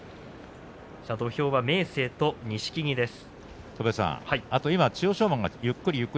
土俵は明生と錦木です。